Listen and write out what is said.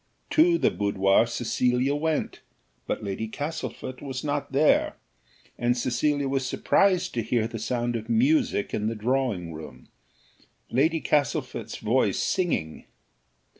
To the boudoir Cecilia went, but Lady Castlefort was not there, and Cecilia was surprised to hear the sound of music in the drawing room, Lady Castlefort's voice singing.